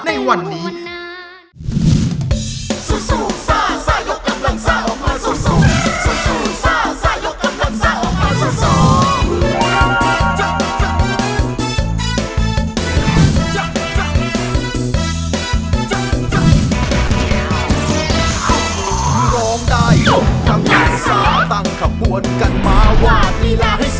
ในวันนี้